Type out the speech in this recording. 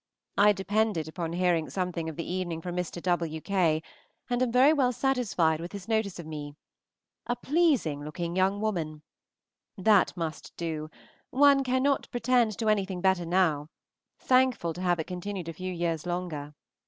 I depended upon hearing something of the evening from Mr. W. K., and am very well satisfied with his notice of me "A pleasing looking young woman" that must do; one cannot pretend to anything better now; thankful to have it continued a few years longer!